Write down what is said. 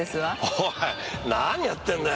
おい何やってんだよ。